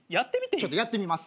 ちょっとやってみます。